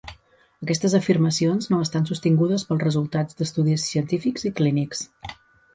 Aquestes afirmacions no estan sostingudes pels resultats d'estudis científics i clínics.